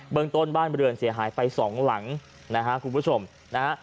เมืองต้นบ้านบริเวณเสียหายไปสองหลังนะฮะคุณผู้ชมนะฮะ